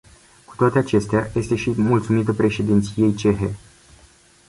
Cu toate acestea, este și mulțumită președinției cehe.